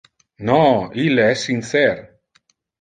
No, ille es sincer.